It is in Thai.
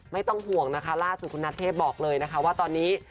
ไม่ต้องห่วงนะคะล่าสุดคุณนัทเทพบอกเลยนะคะว่าตอนนี้